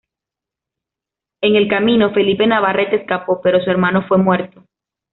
En el camino Felipe Navarrete escapó, pero su hermano fue muerto.